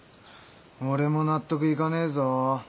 俺も納得いかねえぞ。